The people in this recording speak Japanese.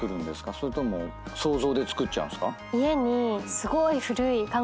それとも想像で作っちゃうんすか？